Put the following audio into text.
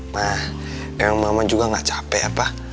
ma emang mama juga nggak capek ya pa